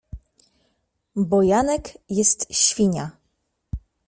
Bo Janek jest Świnia.